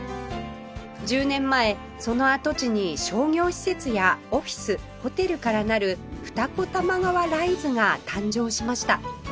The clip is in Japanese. １０年前その跡地に商業施設やオフィスホテルからなる二子玉川ライズが誕生しました